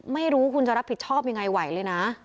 ไม่รู้คุณจะรับผิดชอบยังไงไหวเลยนะ